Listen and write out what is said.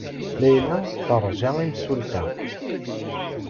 Layla teṛja imsulta.